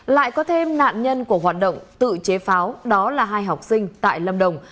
lại có thêm nạn nhân của hoạt động tự chế pháo đó là hai học sinh tại lâm đồng